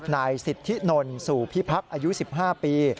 นายสิทธินนสู่พิพักษ์อายุ๑๕ปี